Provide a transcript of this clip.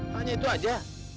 hanya itu aja